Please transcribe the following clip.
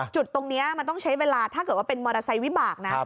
จุดตรงนี้มันต้องใช้เวลาถ้าเกิดว่าเป็นมอเตอร์ไซค์วิบากนะ